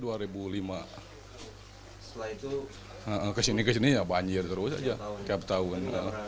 setelah itu kesini kesini ya banjir terus aja tiap tahun